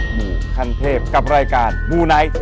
หมู่ขั้นเทพกับรายการมูไนท์